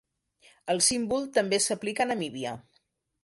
El símbol també s'aplica a Namíbia.